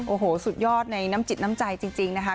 โอ้โหสุดยอดในน้ำจิตน้ำใจจริงนะคะ